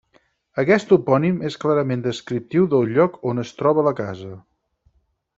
Aquest topònim és clarament descriptiu del lloc on es troba la casa.